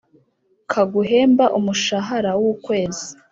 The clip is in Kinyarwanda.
kaguhemba umushahara w’ukwezi,